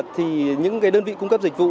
thì những đơn vị cung cấp dịch vụ